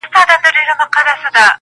• یو څه خړه یو څه توره نوره سپینه -